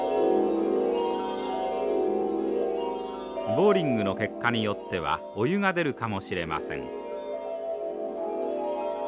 ボーリングの結果によってはお湯が出るかもしれません。